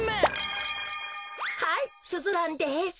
はいスズランです。